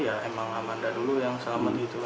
ya memang amanda dulu yang selamat itu